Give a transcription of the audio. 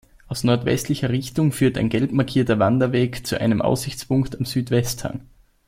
Aus nordwestlicher Richtung führt ein gelb markierter Wanderweg zu einem Aussichtspunkt am Südwest-Hang.